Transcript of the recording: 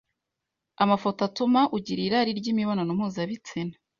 amafoto atuma ugira irari ry’imibonano mpuzabitsina